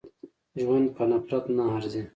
ژوند په نفرت نه ارزي.